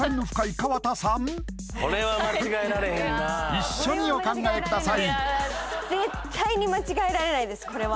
一緒にお考えください